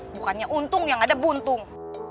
bukannya untung yang ada buntung